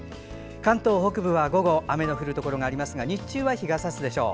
関東北部は、午後雨の降るところがありますが日中は広く日がさすでしょう。